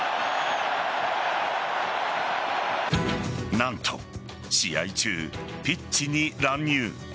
何と試合中ピッチに乱入。